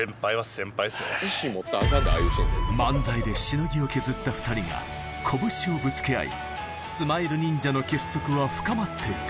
漫才でしのぎを削った２人が拳をぶつけ合いスマイルニンジャの結束は深まっていく